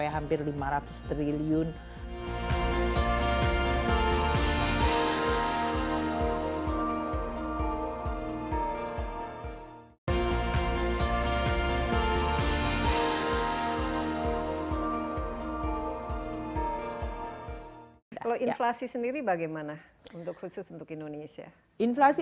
hampir lima ratus triliun kalau inflasi sendiri bagaimana untuk khusus untuk indonesia inflasi